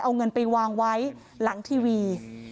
เอาเงินไปวางไว้หลังทีวี